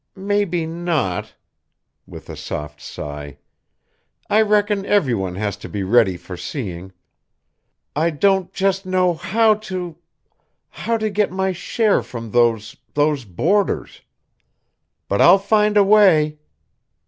Maybe not," with a soft sigh, "I reckon every one has to be ready for seeing. I don't just know how to how to get my share from those those boarders. But I'll find a way!